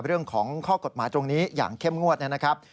เรื่องของข้อกฎหมายตรงนี้อย่างเข้มงวดนะครับ